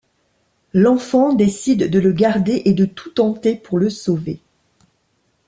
L'enfant décide de le garder et de tout tenter pour le sauver.